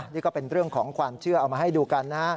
นี่ก็เป็นเรื่องของความเชื่อเอามาให้ดูกันนะฮะ